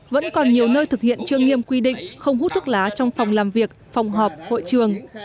vẫn còn nhiều nơi thực hiện chưa nghiêm quy định không hút thuốc lá trong phòng làm việc phòng họp hội trường